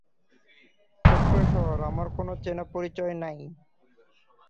ছোট শহর, আমার কোনো চিনা-পরিচয়ও নাই।